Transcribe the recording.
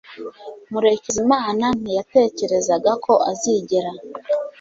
Murekezimana ntiyatekerezaga ko azigera